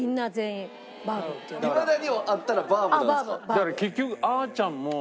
だから結局。